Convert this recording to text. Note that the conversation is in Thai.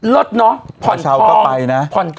ลดเนอะผ่อนทอง๐๑๐เดือน